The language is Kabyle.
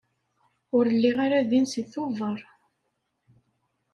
Ur lliɣ ara din seg Tubeṛ.